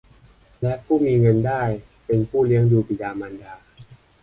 และผู้มีเงินได้เป็นผู้เลี้ยงดูบิดามารดา